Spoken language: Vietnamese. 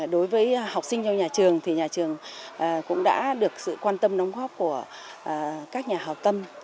đối với học sinh trong nhà trường thì nhà trường cũng đã được sự quan tâm đóng góp của các nhà hào tâm